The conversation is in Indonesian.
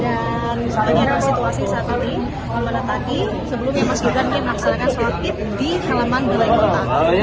dan penyerang situasi saat ini sebelumnya mas gibran ingin melaksanakan swaktik di halaman belai kota